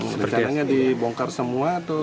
bagaimana caranya dibongkar semua tuh